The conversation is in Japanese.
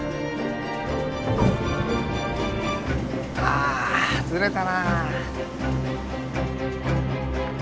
ああずれたなぁ。